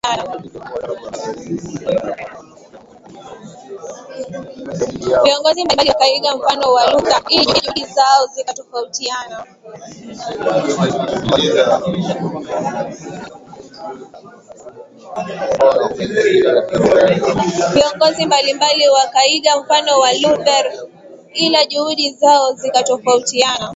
Viongozi mbalimbali wakaiga mfano wa Luther ila juhudi zao zikatofautiana